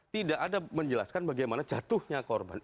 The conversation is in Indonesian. tidak ada menjelaskan bagaimana jatuhnya korban